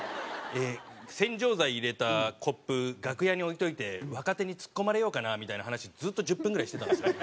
「洗浄剤入れたコップ楽屋に置いておいて若手にツッコまれようかな」みたいな話ずっと１０分ぐらいしてたんですよ。